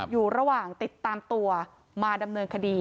อยู่ระหว่างติดตามตัวมาดำเนินคดี